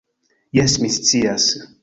Jes, mi scias